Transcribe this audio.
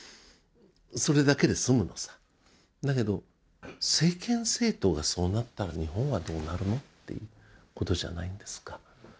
それだけで済むのさだけど政権政党がそうなったら日本はどうなるのっていうことじゃないんですか？